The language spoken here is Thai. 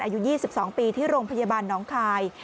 อายุ๒๒ปีที่โรงพยาบาลน้องคาย